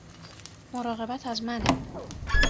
مراقبت از منه